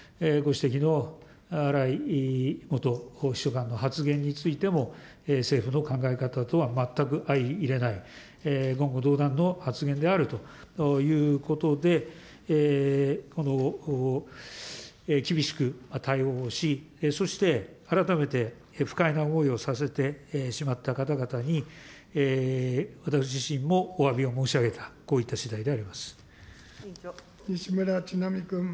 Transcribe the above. ご指摘の荒井元公設秘書官の発言についても、政府の考え方とは全く相いれない、言語道断の発言であるということで、厳しく対応し、そして改めて不快な思いをさせてしまった方々に、私自身もおわびを申し上げた、西村智奈美君。